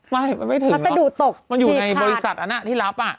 ไม่มันไม่ถึงหรอมันอยู่ในบริษัทอันนั้นที่รับน่ะจีบขาด